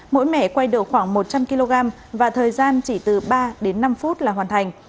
mỗi mẻ quay được khoảng một trăm linh kg và thời gian chỉ từ ba đến năm phút là hoàn thành